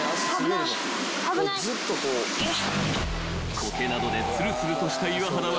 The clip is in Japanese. ［コケなどでつるつるとした岩肌は］